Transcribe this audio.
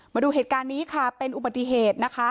มาดูเหตุการณ์นี้ค่ะเป็นอุบัติเหตุนะคะ